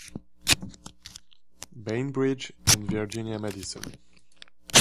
Bainbridge and Virginia Madison.